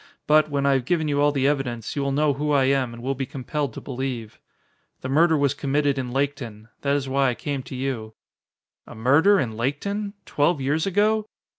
But, when I have given you all the evidence, you will know who I am and will be compelled to believe. The murder was committed in Laketon. That is why I came to you." "A murder in Laketon? Twelve years ago?"